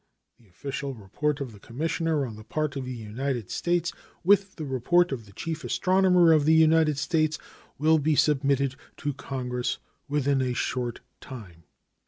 The official report of the commissioner on the part of the United States, with the report of the chief astronomer of the United States, will be submitted to Congress within a short time.